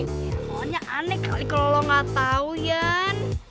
ya malah aneh kali kalau lo gak tau yan